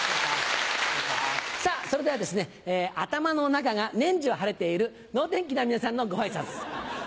それではですね頭の中が年中晴れている能天気な皆さんのご挨拶。